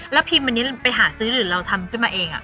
แล้วพิมพ์วันนี้ไปหาซื้อหรือเราทำขึ้นมาเอง